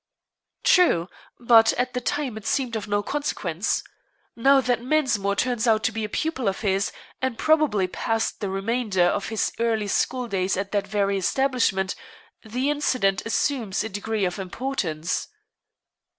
"True, but at the time it seemed of no consequence. Now that Mensmore turns out to be a pupil of his, and probably passed the remainder of his early school days at that very establishment, the incident assumes a degree of importance."